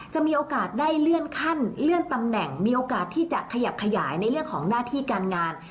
มีโอกาสได้เลื่อนขั้นเลื่อนตำแหน่งมีโอกาสที่จะขยับขยายในเรื่องของหน้าที่การงาน